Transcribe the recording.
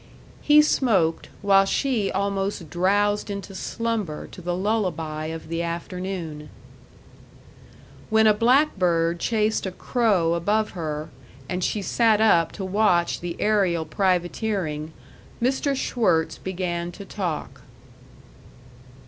He smoked, while she almost drowsed into slumber to the lullaby of the afternoon. When a blackbird chased a crow above her, and she sat up to watch the aerial privateering, Mr. Schwirtz began to talk.